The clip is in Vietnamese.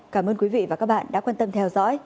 cảm ơn quý vị và các bạn đã quan tâm theo dõi